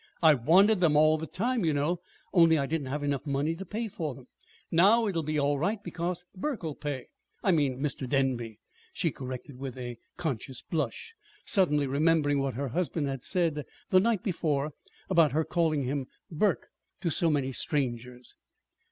"I wanted them all the time, you know, only I didn't have enough money to pay for them. Now it'll be all right because Burke'll pay I mean, Mr. Denby," she corrected with a conscious blush, suddenly remembering what her husband had said the night before about her calling him "Burke" so much to strangers.